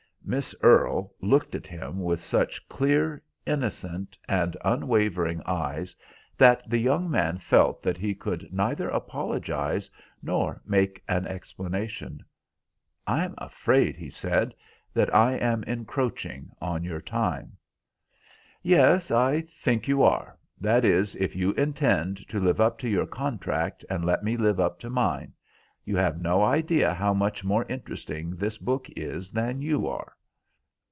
Miss Earle looked at him with such clear, innocent, and unwavering eyes that the young man felt that he could neither apologise nor make an explanation. "I'm afraid," he said, "that I am encroaching on your time." "Yes, I think you are: that is, if you intend to live up to your contract, and let me live up to mine. You have no idea how much more interesting this book is than you are."